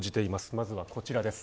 まずは、こちらです。